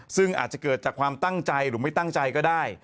ซึ่งอาจจะเกิดจากความตั้งใจหรือไม่ตั้งใจก็ได้